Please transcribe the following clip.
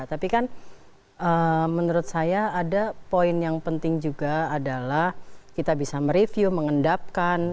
tapi kan menurut saya ada poin yang penting juga adalah kita bisa mereview mengendapkan